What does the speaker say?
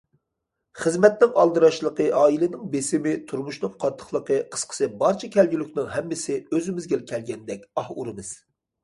خىزمەتنىڭ ئالدىراشلىقى، ئائىلىنىڭ بېسىمى، تۇرمۇشنىڭ قاتتىقلىقى، قىسقىسى بارچە كەلگۈلۈكنىڭ ھەممىسى ئۆزىمىزگىلا كەلگەندەك ئاھ ئۇرىمىز.